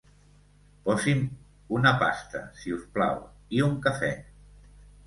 Posi'm una pasta, si us plau, i un cafè.